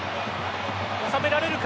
収められるか。